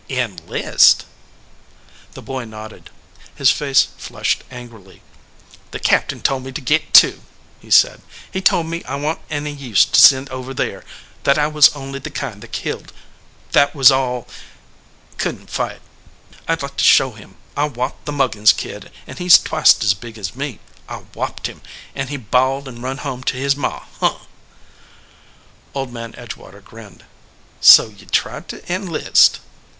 "Enlist?" The boy nodded. His face flushed angrily. in EDGEWATER PEOPLE The captain told me to git, too," he said. "He told me I wa n t any use to send over there, that I was only the kind they killed, that was all couldn t fight. I d like to show him. I whopped the Mug gins kid, and he s twict as big as me. I whopped him, and he bawled and run home to his ma. Huh!" Old Man Edgewater grinned. "So ye tried to enlist."